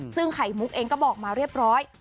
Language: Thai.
ซึ่งไข่มุกเองก็บอกมาเรียบร้อย